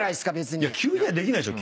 急にはできないでしょ？